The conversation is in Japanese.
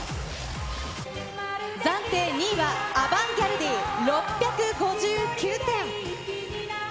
暫定２位は、アバンギャルディ、６５９点。